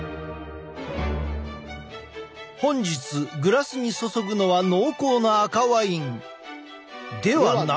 本日グラスに注ぐのは濃厚な赤ワインではなく。